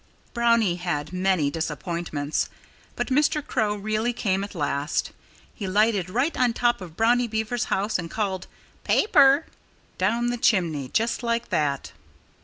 Brownie had many disappointments. But Mr. Crow really came at last. He lighted right on top of Brownie Beaver's house and called "Paper!" down the chimney just like that!